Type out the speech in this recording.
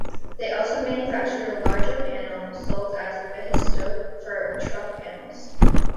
They also manufactured a larger panel, sold as "vehisote" for truck panels.